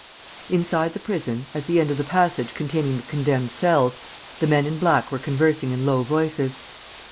Inside the prison, at the end of the passage containing the condemned cells, the men in black were conversing in low voices.